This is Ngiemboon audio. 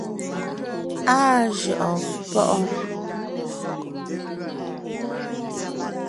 Áa jʉʼɔɔn páʼɔɔn.